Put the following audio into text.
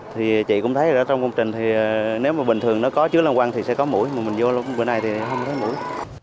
thì chị cũng thấy trong công trình nếu mà bình thường nó có chứa loang quang thì sẽ có mũi mà mình vô lúc bữa nay thì không thấy mũi